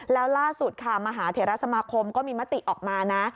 แล้วล่าสุดค่ะมหาเถระสมาคมก็มีมติออกมานะ